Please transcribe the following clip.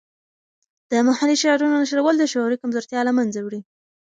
د محلي شعرونو نشرول د شعوري کمزورتیا له منځه وړي.